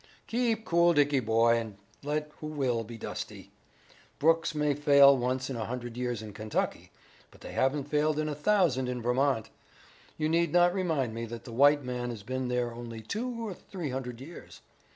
"Keep cool, Dickie boy, and let who will be dusty. Brooks may fail once in a hundred years in Kentucky, but they haven't failed in a thousand in Vermont. You need not remind me that the white man has been there only two or three hundred years.